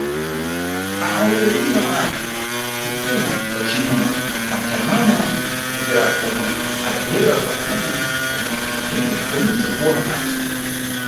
Akhawawidwa lini na mwanace mkulu wa cimuna Madjarmana, kucokera pomwe adabwerera ku Alemanha, omwe alibe kukwanisa kuwona basa.